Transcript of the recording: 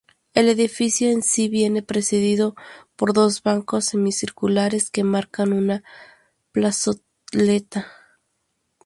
El edificio en sí viene precedido por dos bancos semicirculares que marcan una plazoleta.